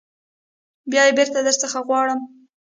بیا یې بیرته در څخه غواړو.